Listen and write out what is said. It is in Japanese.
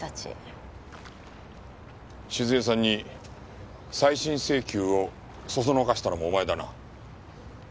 静江さんに再審請求を唆したのもお前だな。